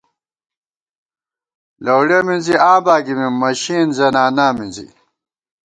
لَؤڑِیَہ مِنزِی آں باگِمېم، مشِئېن زنانا مِنزِی